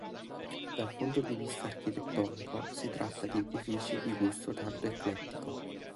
Dal punto di vista architettonico si tratta di edifici di gusto tardo-eclettico.